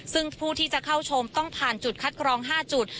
ซึ่งผู้ที่จะเข้าชมต้องผ่านจุดคัดกรอง๕จุด